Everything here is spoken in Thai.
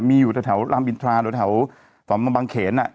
มีอยู่ดรลัมบินทราดรตรมบังเขนอ่ะ